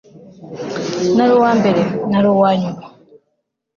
nari uwambere? nari uwanyuma